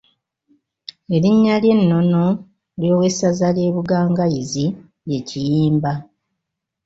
Erinnya ery’ennono ery’owessaza ly’e Bugangayizi ye Kiyimba.